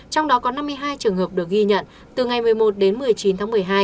trong đó có năm mươi hai trường hợp được ghi nhận từ ngày một mươi một đến một mươi chín tháng một mươi hai